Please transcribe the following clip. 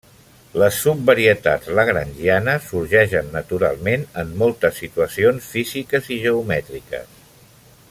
Les subvarietats lagrangianes sorgeixen naturalment en moltes situacions físiques i geomètriques.